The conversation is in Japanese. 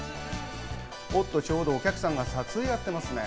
おっと、ちょうどお客さんが撮影をやっていますね。